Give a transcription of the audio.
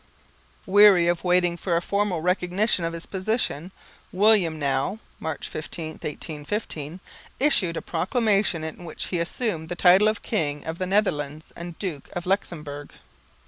Weary of waiting for a formal recognition of his position, William now (March 15, 1815) issued a proclamation in which he assumed the title of King of the Netherlands and Duke of Luxemburg.